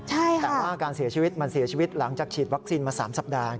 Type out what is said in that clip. แต่ว่าการเสียชีวิตมันเสียชีวิตหลังจากฉีดวัคซีนมา๓สัปดาห์